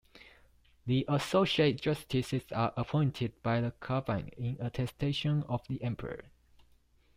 The associate justices are appointed by the Cabinet in attestation of the Emperor.